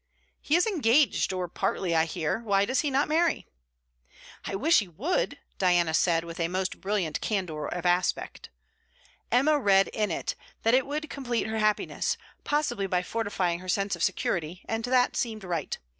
'He is engaged, or partly, I hear; why does he not marry?' 'I wish he would!' Diana said, with a most brilliant candour of aspect. Emma read in it, that it would complete her happiness, possibly by fortifying her sense of security; and that seemed right.